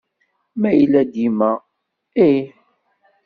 Ma yella dima, ih.